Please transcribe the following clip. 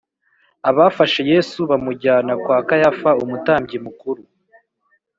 Abafashe Yesu bamujyana kwa Kayafa Umutambyi mukuru